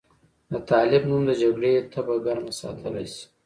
د طالب نوم د جګړې تبه ګرمه ساتلی شي.